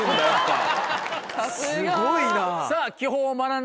すごいな。